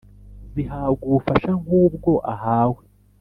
zihabwa ubufasha nkubwo ahawe